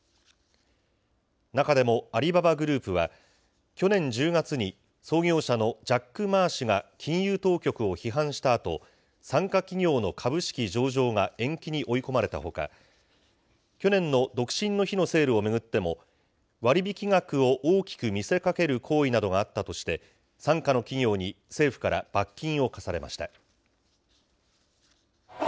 中でもアリババグループは、去年１０月に創業者のジャック・マー氏が金融当局を批判したあと、傘下企業の株式上場が延期に追い込まれたほか、去年の独身の日のセールを巡っても、割引額を大きく見せかける行為などがあったとして、傘下の企業に政府から罰金を科されました。